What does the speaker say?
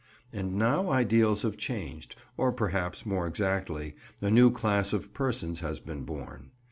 And now ideals have changed, or perhaps more exactly, a new class of persons has been born.